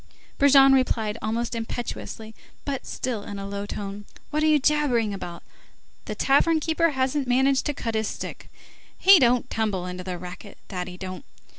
Brujon replied almost impetuously but still in a low tone:— "What are you jabbering about? The tavern keeper hasn't managed to cut his stick. He don't tumble to the racket, that he don't!